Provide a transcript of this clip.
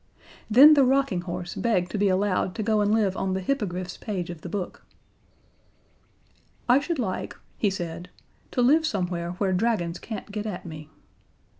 Then the Rocking Horse begged to be allowed to go and live on the Hippogriff's page of the book. "I should like," he said, "to live somewhere where Dragons can't get at me."